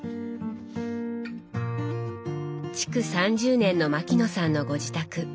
築３０年の牧野さんのご自宅。